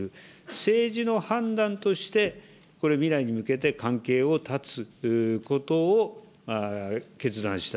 政治の判断として、これ未来に向けて関係を断つことを決断した。